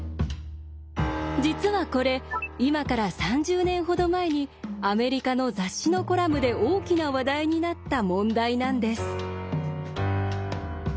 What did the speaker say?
実はこれ今から３０年ほど前にアメリカの雑誌のコラムで大きな話題になった問題なんです。